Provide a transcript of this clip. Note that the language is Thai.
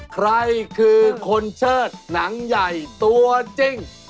ใครคือคนเชิดหนังใหญ่ตัวจริง